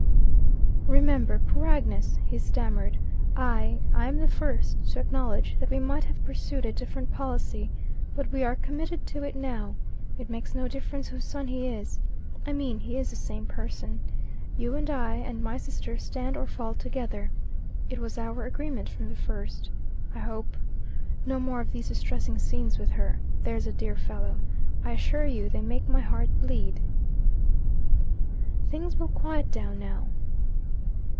"Remember poor Agnes," he stammered. "I I am the first to acknowledge that we might have pursued a different policy. But we are committed to it now. It makes no difference whose son he is. I mean, he is the same person. You and I and my sister stand or fall together. It was our agreement from the first. I hope No more of these distressing scenes with her, there's a dear fellow. I assure you they make my heart bleed." "Things will quiet down now."